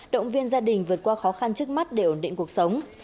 động viên gia đình vượt qua khó khăn trước mắt để ổn định cuộc sống